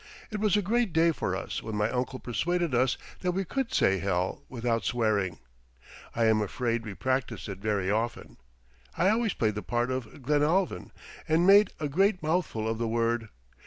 It was a great day for us when my uncle persuaded us that we could say "hell" without swearing. I am afraid we practiced it very often. I always played the part of Glenalvon and made a great mouthful of the word.